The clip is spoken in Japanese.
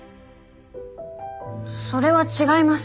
それは違います。